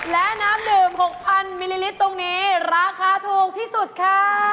และน้ำดื่ม๖๐๐มิลลิลิตรตรงนี้ราคาถูกที่สุดค่ะ